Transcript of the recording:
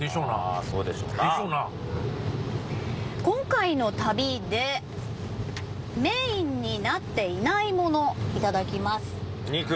今回の旅でメインになっていないものいただきます。